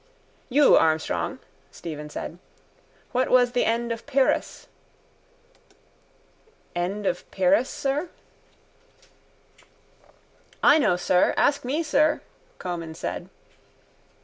—You, Armstrong, Stephen said. What was the end of Pyrrhus? —End of Pyrrhus, sir? —I know, sir. Ask me, sir, Comyn said.